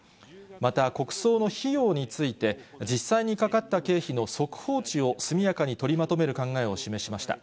また、国葬の費用について、実際にかかった経費の速報値を速やかに取りまとめる考えを示しました。